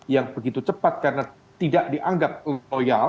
yang begitu cepat karena tidak dianggap loyal